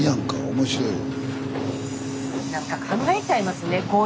面白いよ。